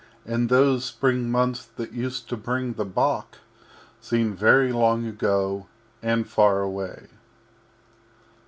And those Spring Months that used to bring the Bock Seem very long ago and far away.